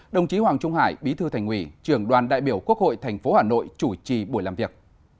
đồng chí hoàng trung hải bí thư thành quỷ trường đoàn đại biểu quốc hội tp hà nội chủ trì buổi làm việc